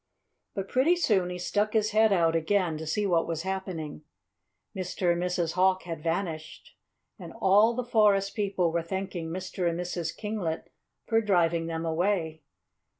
But pretty soon he stuck his head out again to see what was happening. Mr. and Mrs. Hawk had vanished. And all the forest people were thanking Mr. and Mrs. Kinglet for driving them away.